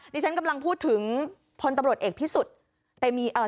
นี่ฉันกำลังพูดถึงพลตบรสเอกพิสุทธิ์เอ่อ